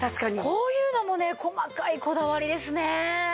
こういうのもね細かいこだわりですね。